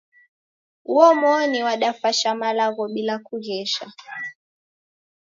Uomoni wadafasha malagho bila kughesha